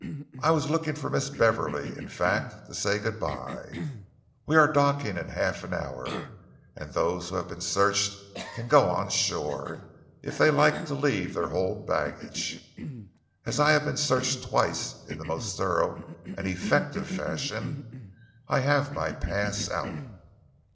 I was looking for Miss Beverley, in fact, to say good by. We are docking in half an hour, and those who have been searched can go on shore, if they like to leave their hold luggage. As I have been searched twice in the most thorough and effective fashion, I have my pass out."